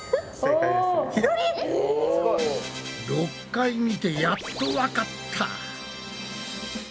６回見てやっとわかった。